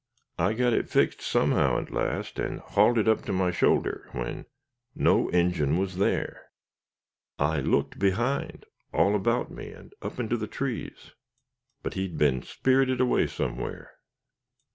I got it fixed somehow at last and hauled it up to my shoulder, when, no Injin was there! I looked behind, all about me, and up into the trees but he'd been spirited away somewhere.